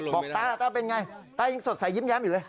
บอกตาอะเป็นไงตายยังสดใสยิ้มแย้มอยู่เลย